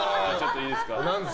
いいですか。